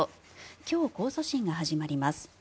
今日、控訴審が始まります。